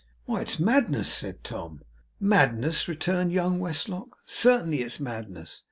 'Why, it's madness,' said Tom. 'Madness!' returned young Westlock. 'Certainly it's madness.